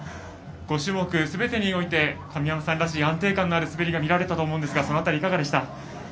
５種目すべてにおいて神山さんらしい安定感のある滑りが見られたかと思いますがその辺りはいかがでした？